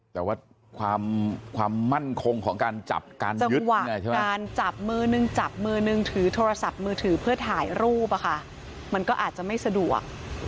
แต่ว่าความมั่นคงของการจับกันจังหวะการจับมือนึงจับมือนึงถือโทรศัพท์มือถือเพื่อถ่ายรูปมันก็อาจจะไม่สะดวก